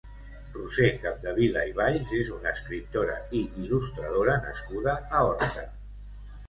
Roser Capdevila i Valls és una escriptora i il·lustradora nascuda a Horta.